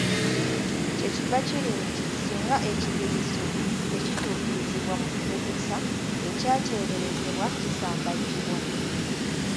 Kye kiva kiri nti singa ekigezeso tekituukirizibwa mu kugezesa, ekyateeberezebwa kisambajjibwa.